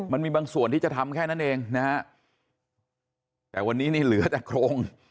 มันมีบางส่วนที่จะทำแค่นั้นเองนะฮะแต่วันนี้นี่เหลือแต่โครง